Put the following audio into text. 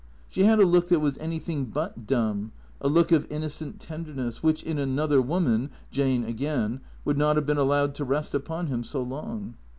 She had a look that was anything but dumb, a look of innocent tenderness, which in another woman, Jane again, would not have been allowed to rest upon him so long.